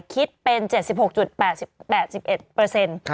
คิดเป็น๗๖๘๑เปอร์เซ็นต์